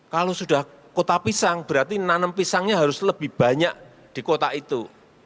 kalau sudah kota pisang berarti nanam pisangnya harus lebih banyak di kota itu